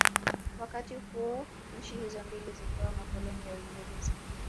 Wakati huo nchi hizo mbili zikiwa makoloni ya Uingereza